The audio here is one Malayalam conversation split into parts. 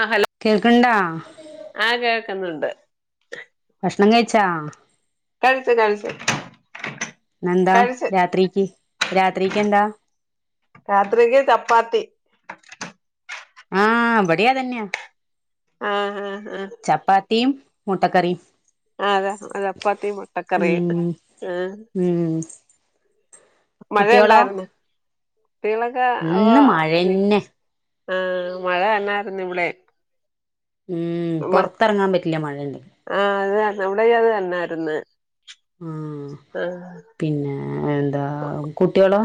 ആഹ് ഹലോ കേൾക്കണ്ടാ ആഹ് കേൾക്കുന്നുണ്ട്. കക്ഷണം കഴിച്ചാ? കഴച്ച് കഴച് ന്നെന്താ രാത്രിക്ക് രാത്രിക്ക് എന്താ? രാത്രിക് ചപ്പാത്തി ആഹ് ഇബഡി അതന്നയാ ആഹാ ആഹ് ആഹ് ചപ്പാത്തിയും മുട്ടക്കറിയും ആഹ് അതാ ചപ്പാത്തി മുട്ടക്കറിയിണ്ട് ഉം ആഹ് ഉം മഴ കുട്ടികളോ ഉണ്ടായിരുന്നു കുട്ടികളൊക്കെ ഇന്ന് ഓഹ് മഴന്നെ ആഹ് മഴ തന്നായിരുന്നു ഇവിടെയും ഉം പൊറത്തെറങ്ങാൻ പറ്റില്ല മഴണ്ടങ്കി ആഹ് അത് നമ്മുടെ അത് തന്നായിര്ന്ന് ഉം പിന്നെ എന്താ കുട്ട്യാളോ?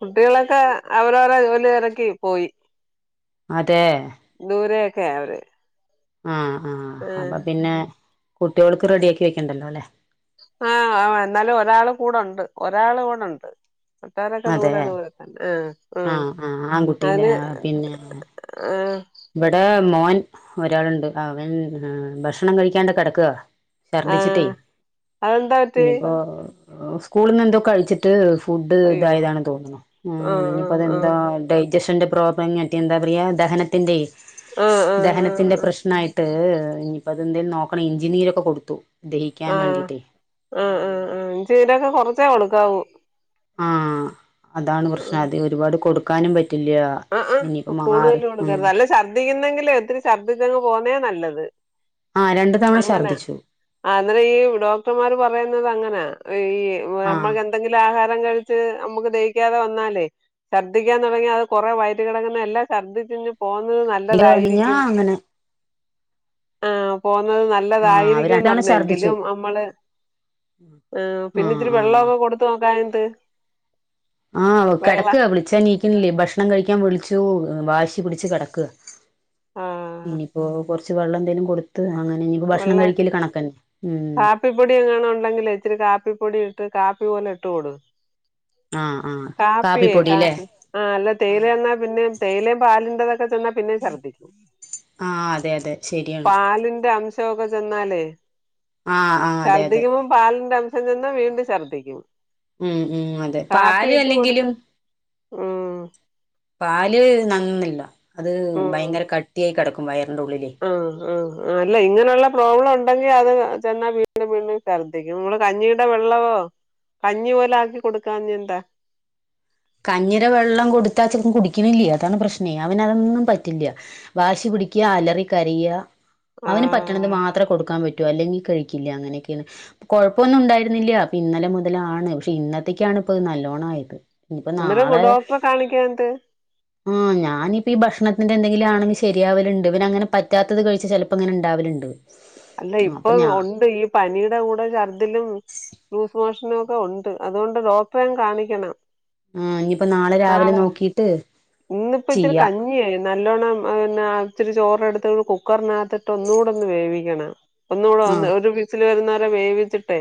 കുട്ടികളൊക്കെ അവരവര ജോലിതിരക്കി പോയി അതെ ദൂരൊക്കെ അവര് ആഹ് ആഹ് അപ്പൊ പിന്നെ കുട്ടികൾക്ക് റെഡി ആക്കി വെക്കണ്ടല്ലോ അല്ലേ? ആഹ് എന്നാലും ഒരാൾ കൂടെണ്ട് ഒരാൾ വ്ടെണ്ട് മറ്റൊരൊക്കെ അതെ ദൂരെ ദൂര അഹ് ആഹ് ആഹ് ആൺകുട്ടിലെ പിന്നെ ആഹ് ഇവിടെ മോൻ ഒരാളുണ്ട് അവൻ ഭക്ഷണം കഴിക്കാണ്ട് കെടക്വാ ഛർദ്ദിച്ചിട്ടേ ആഹ് അതെന്താ പറ്റി ഇനിപ്പോ സ്കൂളന്ന് ണ്ട് കഴിച്ചിട്ട് ഫുഡ് അയ്യോ ഇതായതാണ് തോന്നുന്നു ആഹ് ഇനിയിപ്പോതെന്താ ഡൈജഷ പ്രബ് പനററഞ്ഞട്ട എന്താ പറയാ ദഹനത്തിന്റെ ആഹ് ആഹ് ആഹ് ദഹനത്തിന്റെ ആഹ് പ്രശ്ന ട്ട് ഇനിയിപ്പോ അതെന്തേലും നോക്കണ ഇഞ്ചിനീരൊക്കെ കൊടുത്തു ദഹിക്കാൻ ആഹ് വേണ്ടിട്ടേ ആഹ് ആ്ഹ്ആഹ് ഇഞ്ചിരൊക്കെ കൊറച്ചേ കൊടുക്കാവൂ. ആഹ് അതാണ് പ്രശ്നം അത് ഒരുപാട് കൊടുക്കാനും പറ്റില്യ ആഹ് ആഹ് കൂടുതലും കൊടുക്കരുത് അല്ല ഛർദിക്കുന്നെങ്കിലേ ഒത്തിരി ഛർദിക്കങ്ങ് പോകുന്നേ നല്ലത് ആഹ് രണ്ട് തവണ അങ്ങനെ ഛർദ്ദിച്ചു ആഹ് എന്നിട്ട് ഈ ഡോക്ടർമാർ പറയുന്നത് അങ്ങനാ ഈ ആഹ് നമ്മൾ എന്തെങ്കിലും ആഹാരം കഴിച്ച് അമ്മ് ക്ക് ദഹിക്കാതെ വന്നാലേ ച്ചർദ്ദിക്കാൻ തൊടങ്ങിയാ കൊറെ വയറ്റ കെടങ്ങുന്ന എല്ലാം ഛർദിച്ചിങ് പോന്നത് ഇത് കഴിഞ്ഞാ നല്ലതായിരിക്കും. അങ്ങനെ ആഹ് പോകുന്നത് ന ആഹ് അവര് നല്ലതായിരികും രണ്ടാളും ഛർദ്ദിച്ചു പറഞങ്കിലും അമ്മള് ആഹ് പിന്നെത്തിരി ആഹ് വെള്ളൊവൊക്കെ കൊട് തോക്കായന്ത് ആഹ് കെടക്ക വിളിച്ചാൻ നീക്കണില്ലേ ഭക്ഷണം കഴിക്കാൻ വിളിച്ചു വാശി പിടിച്ച് കെടക്ക. ആഹ് ഇനിയിപ്പോ കൊറച്ച് വെള്ളം എന്തെലും കൊടുത്ത് അങ്ങനെ വെള്ള ഭക്ഷണം കഴിക്കല് കണക്കന്നെ ഉം കാപ്പിപ്പൊടി എങ്ങണ ഉണ്ടെങ്കിൽ ഇച്ചിരി കാപ്പിപ്പൊടി ഇട്ട് കാപ്പി പോലെ ഇട്ട്കൊട് ആഹ് ആഹ് കാപ്പിയെ കാപ്പിപ്പൊടില്ലേ കാപ്പി ആഹ് അല്ല തേയില ആഹ് ചെന്നാ പിന്നെ തേയിലേ പാലിന്റതൊക്കെചെന്നാ പിന്നേം ശര്ദിക്കും ആഹ് അതെ അതെ ശരിയാണ് പാലിന്റെ അംശ് ശോ ക്കെ ചെന്നാലേ ആഹ് ആഹ് അതെ അതെ ശർദിക്കുമ്പോ പാലിന്റെ അംശം ചെന്ന വീണ്ടും ഛർദ്ദിക്കും ഉം ഉം അതെ കാപ്പി പാല് ഇട്ട് അല്ലെങ്കിലും കൊടുത്ത് ഉം പാല് നന്നല്ല അത് ഉം ഭയങ്കര കട്ടിയായി കെടക്കും വയറിന്റെ ഉള്ളിലേ ആഹ് ആ ഹ് ആഹ് അല്ല ഇങ്ങനെയുള്ള പ്രോബ്ലം ണ്ടെങ്കിൽ അത് ചെന്നാ വീണ്ടും വീണ്ടും ശ ദി ക്കുംനമ്മൾ കഞ്ഞിയടെ വെള്ളമോ കഞ്ഞി പോലെ ആക്കി കൊടുക്കാഞ്ഞെ എന്താ? കഞ്ഞി ടെ വെള്ളം കൊടുത്താ ചെക്കൻ കുടിക്കണില്ലേ അതാണ് പ്രശ്നേ അവനതൊന്നും പറ്റില്ല വാശി പിടിക്ക അലറി കരയ്യാ അവന് പറ്റണത് ആഹ് മാത്രേ കൊടുക്കാൻ പ റ്റു അല്ലെങ്കി കഴിക്കില്ല അങ്ങനൊക്കെണ് കൊഴപ്പൊന്നും ഉണ്ടായിരുന്നില്ല പ്പൊ ഇന്നലെ മുതലാണ് പക്ഷെ ഇന്നത്തേക്കാണ് ഇപ്പ നല്ലോണ്മായത് ഇനിപ്പ അന്നേരം നാളെ ഡോക്ടറെ കാണിക്കാഞ്ഞിട്ട് ആ ഞാനിപ്പ ഈ ഭക്ഷണത്തിന്റെ എന്തെങ്കിലു ആണെങ്കി ശെരിയാവലുണ്ട് ഇവന് അങ്ങനെ പറ്റാത്തത് കഴിച്ച ചെ ലപ്പോ ങ്ങനെ ഇണ്ടാവല്ണ്ട് അല്ല ഇപ്പൊ ഒണ്ട് ഈ പനിയുടെ കൂടെ ഛർദിലും ലൂസ് മോഷനു ഒക്കെ ഒണ്ട് അതുകൊണ്ട് ഡോക്ടറെം കാണിക്കണം ആ, ഇനിയിപ്പോൾ രാവിലെ നാളെ നോക്കിയിട്ട് ഇന്നിപ്പ ഇച്ചിരി ചെയ്യാം കഞ്ഞിയായിരുന്നു നല്ലോണ്ണം പിന്ന ഇച്ചിരി ചോറെടുത്ത് കുക്കറിനകത്തിട്ട് ഒന്നൂടൊന്ന് വേവിക്കണം ആ ഒന്നൂടന്ന് ഒരു വീസില് വരുന്ന വരെ വേവിച്ചിട്ടെ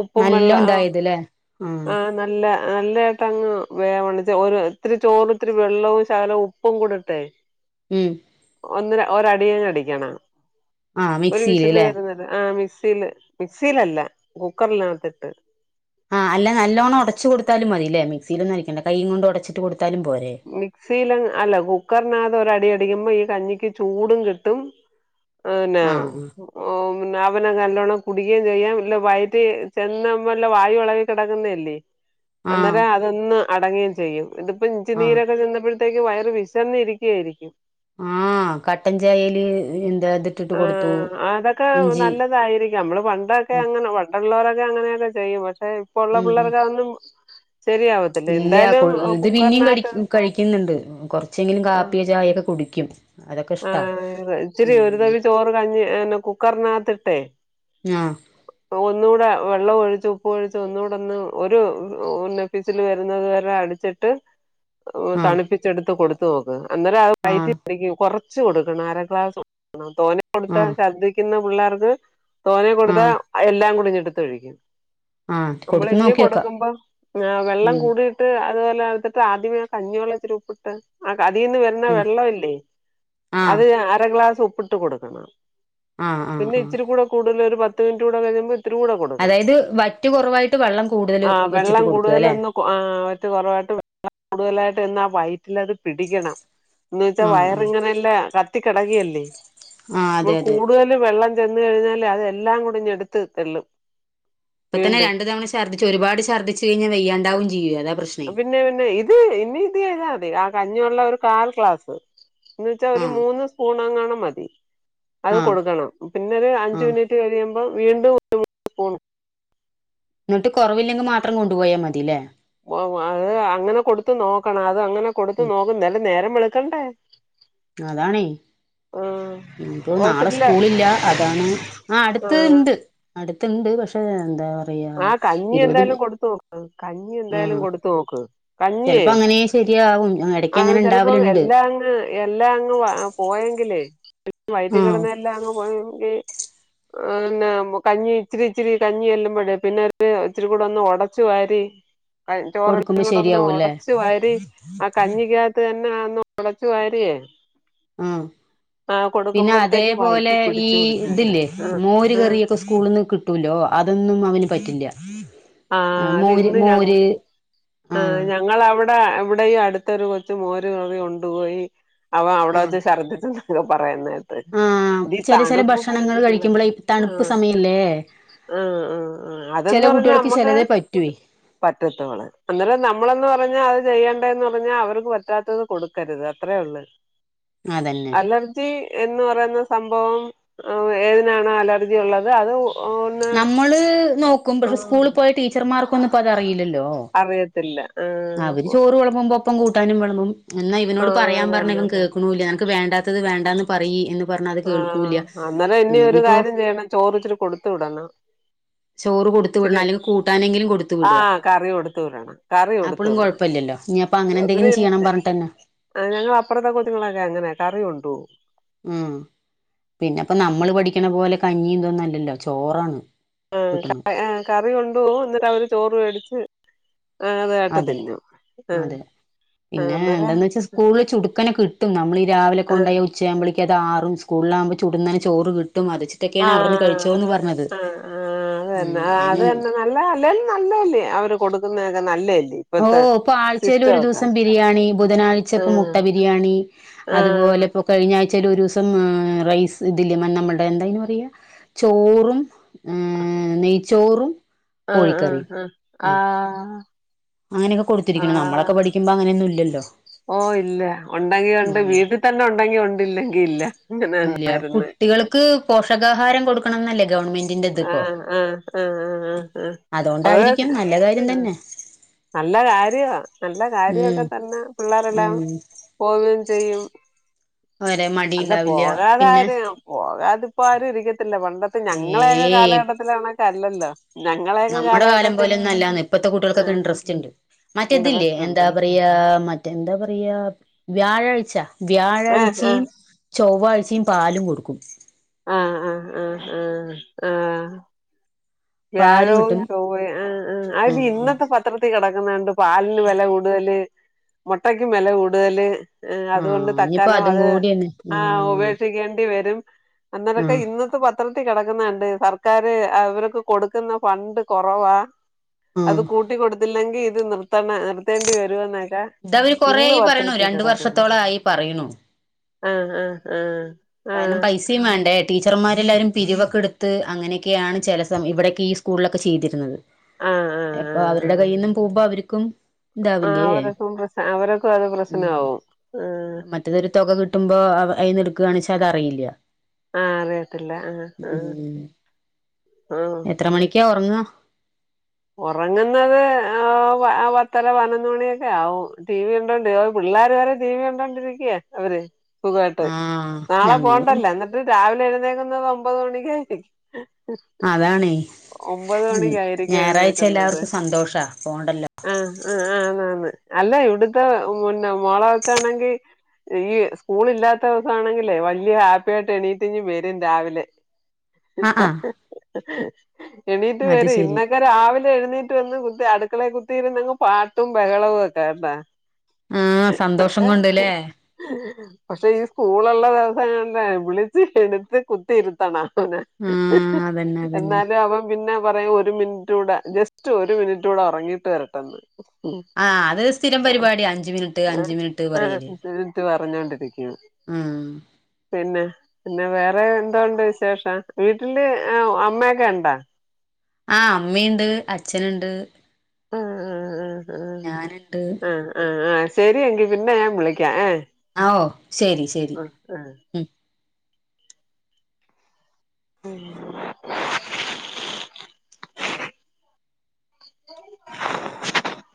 ഉപ്പും നല്ല വെള്ള ആ ഉണ്ടായത് അല്ലേ ആ ആഹ് നല്ല നല്ലതായിട്ടങ്ങ് വേവണം ഇത്തിരി ചോറും ഇത്തിരി വെള്ളവും ശകലം ഉപ്പും കൂടിട്ടെ ഉം ഒന്നര ഒരടി അങ്ങടിക്കണം ആ ഒരു മിക്സിയിൽ അല്ലേ വിസില് വരുന്നത് ആ മിക്സിൽ മിക്സി ലല്ല കുക്കറിനകത്തിട്ട് ആഹ് അല്ല നല്ലോണം ഒടച്ചു കൊടുത്താലും മതിലേ മിക്സിൽ ഒന്നും അടിക്കണ്ട കൈയ് കൊണ്ട് ഒടച്ച് കൊടുത്താലും പോരെ മിക്സില് അല്ല കുക്കറിനകത്ത് ഒരടി അടിക്കുമ്പോ ഈ കഞ്ഞിക്ക് ചൂടും കിട്ടും ആന്നാ ആ ഓം അവനെ നല്ലോണ്ണം കുടിക്കേം ചെയ്യാം ഇല്ല വയറ്റ് ചെന്ന് എല്ലാം വായു എളകി കെ ടക്കുന്നയല്ലേ ആ അന്നേര അതൊന്ന് അടങ്ങേചെയ്യും ഇതിപ്പോ ഇഞ്ചി ആ നീരൊക്കെ ചെന്നപ്പോഴ ത്തേക്ക് വയറ് വിശന്നിരിക്കു ആയിരിക്കും ആഹ് കട്ടൻ ചായേല് ആഹ് അതൊക്കെ നല്ലതായിരി ക്കാം നമ്മള് പണ്ടൊക്കെ ഉം അങ്ങനെ പണ്ടുള്ളവരൊക്കെ അങ്ങനെയക്കെ ചെയ്യും പക്ഷെ ഇപ്പ ഉള്ള ഉം പിള്ളേർക്കതൊ ന്നും ശരിയാവത് ഇല്ല ഇത് പിന്നും ക കഴിക്കുന്നുണ്ട് കൊറച്ചെങ്കിലും ആഹ് കാപ്പിയ ചായയൊക്കെ കുടിക്കും അതൊക്കിഷ്ടാ ച്ചിരി ഒരു തവി ചോറ് കഞ്ഞി കുക്കറിനകത്തിട്ടേ ആഹ് ഒന്നുടെ വെള്ളം ഒഴിച്ചു ഉപ്പ് ഒഴിച്ച് ഒന്നൂടൊ ന്ന് ഒരു ന്നെ വിസില് വരുന്നത് വരെ അടിച്ചിട്ട് ആ തണുപ്പിച്ചെടുത്ത് കൊടുത്തു നോക്ക് അന്നേരം അത് ആ വൈറ്റി പിടിക്കും കൊറച്ച് കൊടുക്കണം അര ഗ്ലാസ് ആ തോനെ കൊടുത്ത ആ ശർദിക്കുന്ന പിള്ളാർക്ക് തോനെ ആ കൊടുത്ത എല്ലാം കുടിങ്ങി ഴിക്കും ആ നമ്മൾ കൊടുത്തു ഇന്നിം നോക്കിയോക്കാം കൊടുക്കുമ്പോ വെള്ളം ഉം കൂടി ട്ട് അതുപോലെ ആദ്യമേ കഞ്ഞിവെള്ള ത്തിരി ഉപ്പിട്ട് ആ അതീന്ന് വ രുന്ന ഉം വെള്ളവില്ലേ ആ അത് അര ഗ്ലാസ് ഉപ്പിട്ട് കൊടുക്കണം ആ ആ പിന്നെ ആ ഇച്ചിരി കൂടെ കൂടുതല് ഒരു പത്ത് മിനിറ്റ് കൂടെ കഴിയുമ്പോ ഇത്തി രൂടെ കൊടുക്കണം അതായത് വറ്റ് കുറവായിട്ട് വെള്ളം കൂടുതൽ ആ വെച്ചിട്ട് വെള്ളം കൊടുക്കുക കൂടുതല അല്ലെ ഒന്ന് വറ്റ് കൊറവായിട്ട് കൂടുതലായിട്ട് ചെന്നാ വയറ്റിലത് പിടിക്കണം എന്ന് വെച്ചാ ആ ആ വയറി ഇങ്ങനെല്ല ക കടകല്ലേ ആ നമ്മ അതെ അതെ കൂടുത ലും വെള്ളം ചെന്ന കഴിഞ്ഞാല് അതെല്ലാം കൂടി ടുത്ത് തെല്ലും ഇപ്പ തന്നെ രണ്ട തവണ ഛർദി ഒരുപാട് ഛർദിച്ച കഴിഞ്ഞാ വെയ്യാണ്ടും ചെയ്യ അതാ പ്രശ് പിന്നെ പിന്നെ ഇത് ഇനി ഇത് ചെയ്താൽ മതി ആ കഞ്ഞള്ള ഒരു കാൽ ക്ലാസ് എന്ന വെച്ചാ ആ ഒരു മൂന്ന് സ്പൂൺ അങ്ങണം മതി അത് ആ കൊടുക്കണം പിന്നെ ഒരു അഞ്ച ആ മിനിറ്റ് കഴിയമ്പം വീണ്ടും ഒരു എന്നിട്ട് കുറവില്ലെങ്കിൽ മാത്രം കൊണ്ടു പോയാൽ മതില്ലേ ഓ അത് അങ്ങനെ കൊടുത്ത നോക്കണ അത് അങ്ങനെ കൊടുത്ത ഉം നോക്കും അല നേരം വിളുക്കണ്ടേ അതണേ ആഹ് ഇന്നയിപ്പോനാളെ ഹോസ്പിറ്റല് സ്കൂള ഇില്ല അതാണ് ആ അടുത്ത് ആഹ് ഇണ്ട് അടുത്തുണ്ട് പക്ഷെ എന്താ പറയാ ആ കഞ്ഞി ഇരുപത് എന്തായാലും കൊടുത്തു നോക്ക് കഞ്ഞി ആ എന്തായാലും കൊടുത്തു നോക്ക് കഞ്ഞിയേ ചിലപ്പോ അങ്ങനെ ശരിയാവും ഇടക്ക് അത് അങ്ങനെ ചിലപ്പോ ഉണ്ടാവലുണ്ട് എല്ലാം എല്ലാം അങ്ങ് പോയെങ്കിലേ വൈറ്റിൽ ആ കിടന്ന് എല്ലാം അങ്ങ് പോയെങ്കിൽ ആന്ന കഞ്ഞി ഇച്ചിരി ഇച്ചിരി കഞ്ഞി ചെല്ലുമ്പഴ പിന്നെ ഇച്ചിരി കൂടെ ഒന്ന് ഉടച്ചു വാരി ചോറി കൊടുക്കുമ്പോ കൂടെ ഒന്ന് ശരിയാവൂല്ലേ ഉടച്ചു വരി ആ കഞ്ഞിക്ക തന്നെന്ന് ഒടച്ചു വാരിയേ ആഹ് ആ പിന്നെ കൊടുക്കുമ്പോഴത്തേക്ക് അതേപോലെ വയറ്റി ഈ പിടിച്ചു പിടിച്ചു വരും ഇതില്ലേ ആ മോര് കറിയൊക്കെ സ്കൂളന്ന് കിട്ടൂലോ അതൊന്നും അവന് പറ്റില്ല ആ അത് മോര് ഇന്ന് ഞങ്ങ മോര് ആ ആഹ് ഞങ്ങളവിടെ അവിടെ ഈ അടുത്തൊരു കൊച്ച മോര് കറി കൊണ്ടുപോയി അവ അവിടെ ആ വച്ച ശഛർദ്ദിച്ചക്കെ പറയുന്നായിട്ട് അത ഈ ചെല ചെല തണുപ്പും പിടിച്ച ഭക്ഷണങ്ങൾ കഴിക്കുമ്പളെ പിള്ളേർക്ക് തണുപ്പ് ആഹ് സമയല്ലേ ആഹ് ആഹ് ആഹ് അതെന്ന് പറഞ്ഞാ അമ്മ ചിലതേ പറ്റൂവേ പാട്ടത്തോൾ അന്നേരം നമ്മളന്ന് പറഞ്ഞാൽ അത് ചെയ്യേണ്ടേന്ന് പറഞ്ഞാൽ അവർക്ക് പറ്റാത്തത് കൊടുക്കരുത് അത്രയേ ഉള്ളു അതന്നെ അല്ല ജി എന്ന് പറയുന്ന സംഭവം ഏതിനാാണ് അലർജി ഉള്ളത് അത് ഒന്ന് നമ്മള് നോക്കും പക്ഷെ സ്കൂളിൽ പോയ ടീച്ചർമാർക്കൊന്നും ഇപ്പോ അതറിയില്ലല്ലോ അറിയത്തില്ല ആഹ് അവര് ചോറ് വിളമ്പുമ്പോപ്പം കൂട്ടാനും വിളമ്പും എന്നാ ഇവനോട് ആഹ് പറയാൻ പറഞ്ഞ അതന്നെ ഇവൻ അതന്നെ കേൾക്കണൂല്ല നിനക്ക് വേണ്ടാ ത് വേണ്ടന്ന് പറയി എന്ന് പറഞ്ഞാ അത് ആഹ് കേൾക്കൂല്ല അന്നേരം ഇനി ഒരു ഇനിയിപ്പോ കാര്യം ചെയ്യണം ചോറ് ഇച്ചിരി കൊടുത്തു വിടണം ചോറ് കൊടുത്ത വിടണം ഇച്ചിരി അല്ലെങ്കിൽ കൂട്ടാനെങ്കിലും കൊടുത്ത വിടുക ആഹ് കറി കൊടുത്ത് വിടണം കറി കൊടുത്ത് അപ്പളും വിടണം കുഴപ്പമില്ലല്ലോ ഇനിയപ്പ അങ്ങനെ അവര് എന്തെങ്കിലും ചെയ്യണം പറഞ്ഞിട്ടന്നെ ഞങ്ങൾ അപ്പുറത്തെ കുഞ്ഞുങ്ങളൊക്കെ അങ്ങനെ കറി കൊണ്ടുപോവും ഉം പിന്നെപ്പോ നമ്മള് പഠിക്കണ പോലെ കഞ്ഞി ഇന്തോന്നും അല്ലല്ലോ ചോറാണ് കിട്ടണ ആഹ് ആഹ് കറി കൊണ്ട് പോവും എന്നിട്ട് അവര് ചോറ് മേടിച്ച് ആ അത് ആട്ട് അതെ തിന്നു ആഹ് അതെ പിന്നെ അന്നേരം എന്താന്ന് വെച്ചാൽ സ്കൂളിൽ ചുടുക്കനെ കിട്ടും നമ്മൾ ഈ രാവിലെ ആഹ് കൊണ്ടോയ ഉച്ച ആക്പോളേക്ക് അത് ആറും സ്കൂളിലാവുമ്പോൾ ചുടുന്നന്നെ ചോറ് കിട്ടും മതിച്ച് ആഹ് ആഹ് ആഹ് ഉം ആ അത് തന്നെ അത് അയിന് തന്നെ ന നല്ല അല്ല നല്ലല്ലേ അവര് കൊടുക്കുന്നതൊക്കെ നല്ലല് ഓ ഇപ്പൊ ആഴ്ചൽ ഒരു ദിവസം ബിരിയാണി ബുധനാഴ്ചപ്പ മുട്ട ആഹ് ബിരിയാണി ആഹ് അതുപോലെ ഇപ്പോ കഴിഞ്ഞ ആഴ്ചൽ ഒരു ദിവസം റൈസ് ഇതില്ല നമ്മളുടെ എന്താന്ന് പറയാ ചോറും ആഹ് നെയ്ച്ചോറും ആഹ് കോഴിക്കറിയും ആഹ് ആഹ് ആ അങ്ങനെയൊക്ക കൊടുത്തിരിക്കുന്നു നമ്മളൊക്ക പഠിക്കുമ്പോ അങ്ങനൊന്നും ഇല്ലല്ലോ ഓ ഇല്ല ഉണ്ടെങ്കി ഉണ്ട് ഉം വീട്ടിൽ തന്നെ ഉണ്ടെങ്കി ഉണ്ടല്ലെങ്കി ഇല്ല അങ്ങനെ തന്നായിരുന്ന് ക്ക് പോഷകാഹാരം കൊടുക്കണം എന്നല്ലേ ഗവൺമെന്റ് ആഹ് ആഹ് ആഹ് ആഹ് ആ ആഹ് അതാ അതുകൊണ്ടായിരിക്കും പറഞ്ഞ നല്ല കാര്യം തന്നെ നല്ല കാര്യവ നല്ല ഉം കാര്യവൊക്കെ തന്ന പിള്ളാരെല്ലാം ഉം പോവയും ചെയ്യും അവരെ മടി അല്ല ഉണ്ടാവില്ല പിന്നെ പോകാതാര് പോകാതിപ്പോ ആരും ഇരിക്കത്തില്ല പണ്ടത്തെ ഞങ്ങളെക്കെ ഏയ് കാലഘട്ടത്തിലാണ കണക്കല്ലല്ലോ നമ്മുടെ കാലം പോലെ ഒന്നല്ലാന്നെ ഇപ്പഴത്തെ കുട്ടികൾക്കൊക്കെ ആഹ് ഇൻട്രസ്റ്റ് ഉണ്ട് മറ്റെതില്ലേ ഇൻട്രസ്റ്റ് ഉണ്ട് എന്താ പറയാ യാ മറ്റ എന്താ പറയാ വ്യാഴാഴ്ച ആഹ് ആഹ് വ്യാഴാഴ്ചയും ചൊവ്വാഴ്ചയും പാലും കൊടുക്കും ആഹ് ആഹ് ആഹ് ആഹ് ആഹ് ആഹ് പാല് വ്യാഴവും കിട്ടും ചൊവ്വയും ആഹ് ആഹ് അതല്ല ഉം ഉം ഇന്നത്തെ പത്രത്തിൽ കിടക്കുന്ന കണ്ട് പാലിന് വില കൂടുതല് മുട്ടക്കും വില കൂടുതല് ആഹ് അതുകൊണ്ട് ഇനിയിപ്പോ തൽക്കാലം അതും അത് കൂടിയാണ് ആഹ് ഉപേക്ഷിക്കേണ്ടി വരും അന്നേരവൊക്കെ ആഹ് ഇന്നത്തെ പത് ത്രത്തി കെടക്കുന്നകണ്ട് സർക്കാര് അവർക്ക് കൊടുക്കുന്ന ഫണ്ട് കുറവാ അത് ആഹ് കൂട്ടി കൊടുത്തില്ലെങ്കി ഇത് നിർത്തണ നിർ ത്തേണ്ടി വരുവന്നെക്ക ഇതവര് ഇന്ന് കൊറേയായി പറയണു പത്രത്തി രണ്ട് കിടക്കുന്ന് വർഷത്തോളായി പറയണു ആഹ് ആഹ് ആഹ് കാരണം പൈസ യും വേണ്ടേ ടീച്ചർമാരെല്ലാവരും പിരിവൊക്കെ എടുത്ത് അങ്ങനെയൊക്കെയാണ് ചില സമയം ഇവിടെയൊക്കെ ഈ സ്കൂളിലൊക്കെ ചെയ്തിരുന്നത് ആഹ് ആഹ് അപ്പൊ അവരുടെ കയ്യിൽ നിന്നും പോകുമ്പോ അവർക്കും ആ ഇണ്ടാവില്ലേ അവരക്കും പ്രശ് അവരക്കും അത് ഉം പ്രശ്നമാവും ആ മറ്റതൊരു തുക കിട് കിട്ടുമ്പോ അയിന്ന് ഇടുക്കുകയാണ വെച്ചാ അത് അറിയില്ല ആഹ് അറിയത്തില്ല ആഹ് ആഹ് ആഹ് ല്ല ഒറങ്ങാ ഉറങ്ങുന്നത് ആ പത്തര പതിനൊന്ന് മണിയൊക്കെ ആവും ടി വി കണ്ടോണ്ട് പിള്ളാര് വരെ ടി വി കണ്ടോണ്ടിരിക്കുവ അവര് സുഖമായിട്ട് ആഹ് നാളെ ഞങ്ങളും പോകണ്ടല്ലോ എന്നിട്ട് രാവിലെ എഴുന്നേക്കുന്നത് ഒമ്പത് മണിക്കായിരിക്കും അതാണേ ഒമ്പത് ഉം മണിക്ക് ആയിരിക്കും ഞായറാഴ്ച എല്ലാവർക്കും സന്തോഷവ പോകണ്ടല്ലോ ആഹ് ആഹ് ആഹ് ആന്ന് ആന്ന് അല്ലെ ഇവിടത്ത പിന്നെ മോളെ വെച്ചാണെങ്കി ഈ സ്കൂൾ ഇല്ലാത്ത ദിവസാണെങ്കിലെ വലിയ ഹാപ്പി ആയിട്ട് എണീറ്റ് ഇങ്ങ് വരും രാവിലെ ആഹ് ആഹ് എണീറ്റ് അത് വരും ശരി ഇന്നൊക് ക്ക രാവിലെ എഴുന്നേറ്റ് വന്ന് കുത്തി അടുക്കളെ കുത്തിഇരുന്നങ്ങ് പാട്ടും ബഹളവും ഒക്കെ കേട്ടാ ആഹ് സന്തോഷം പക്ഷെ കൊണ്ട്ല്ലേ പക്ഷെ ഈ സ്കൂൾ ഉള്ള ദിവസങ്ങളിലെ വിളിച്ച് എടുത്ത് കുത്തിയിരുത്തണം അവനെ ആഹ് അതന്നെ അതന്നെ എന്നാലും അവൻ പിന്നെ പറയും ഒരു മിനിറ്റ് കൂടെ ജസ്റ്റ് ഒരു മിനിറ്റൂടെ ഉറങ്ങീട്ട് വരട്ടെന്ന് ആഹ് അത് സ്ഥിരം പരിപാടിയ അഞ്ചു മിനിറ്റ് അഞ്ചു ആഹ് മിനിറ്റ് ആഹ് പറയല് എന്നിട്ട് പറഞ്ഞോണ്ടിരിക്കുന്നു ആഹ് പിന്നെ പിന്നെ വേറെ എന്തോണ്ട് വിശേഷം വീട്ടില് അമ്മയൊക്കെ ഉണ്ടാ ആ അമ്മയുണ്ട് അച്ഛനുണ്ട് ആഹ് ആഹ് ഞാനുണ്ട് ആഹ് ആഹ് ആഹ് ശരി എങ്കി പിന്നെ ഞാൻ വിളിക്കാം ഏ ഓ ശരി ശരി [inaudible] ഉം [inaudible] [inaudible]